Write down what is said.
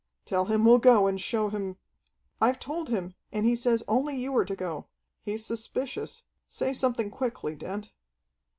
"Tell him we'll go and show him " "I've told him, and he says only you are to go. He's suspicious. Say something quickly, Dent."